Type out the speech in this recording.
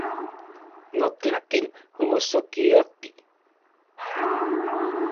Notlaken omosokioti.